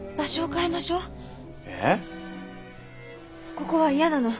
ここは嫌なの。